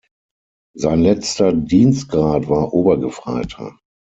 Sein letzter Dienstgrad war Obergefreiter.